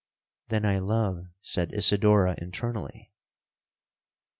'—'Then I love,' said Isidora internally.